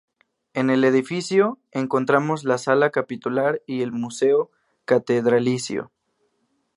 En el edificio encontramos la Sala Capitular y el Museo catedralicio.